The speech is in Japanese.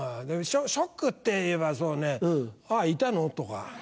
ショックっていえばそうね「あっいたの？」とか。